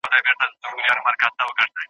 زولنې یې شرنګولې د زندان استازی راغی